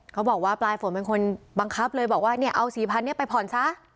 เขาบอกว่าปลายฝนเป็นคนบังคับเลยบอกว่าเนี่ยเอา๔๐๐เนี่ยไปผ่อนซะ